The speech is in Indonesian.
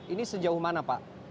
ini sejauh mana pak